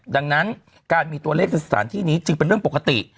ดังนั้นการมีตัวเลขในสถานที่นี้จึงเป็นเรื่องปกติ